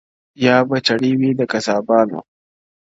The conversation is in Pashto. • یا به چړې وي د قصابانو -